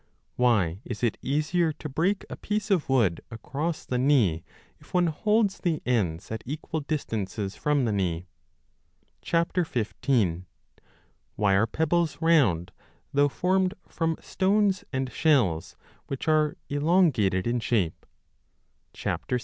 Why is it easier to break a piece of wood across the knee if one holds the ends at equal distances from the knee ? 15. Why are pebbles round, though formed from stones and shells which are elongated in shape ? 16.